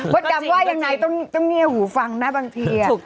มดดั้มว่ายังไหนต้องเงียวหูฟังฯภังหน้าบางที